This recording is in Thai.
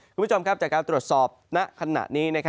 คุณผู้ชมครับจากการตรวจสอบณขณะนี้